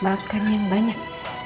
makan yang banyak